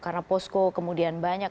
karena posko kemudian banyak